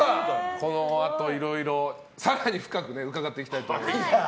このあと、いろいろ更に深く伺っていきたいと思います。